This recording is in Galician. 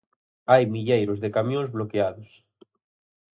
Hai milleiros de camións bloqueados.